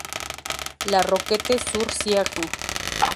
La Roquette-sur-Siagne